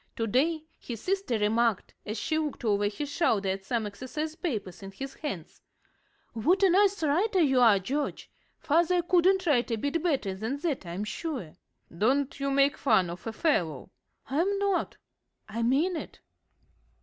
To day his sister remarked, as she looked over his shoulder at some exercise papers in his hands: "What a nice writer you are, George. Father couldn't write a bit better than that, I'm sure." "Don't you make fun of a fellow." "I'm not. I mean it." [Illustration: "_I mean it.